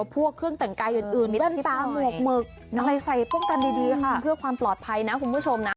เพื่อความปลอดภัยนะคุณผู้ชมนะ